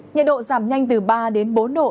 nhiệt độ giảm nhanh từ ba đến bốn độ